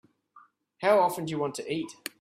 How often do you want to eat?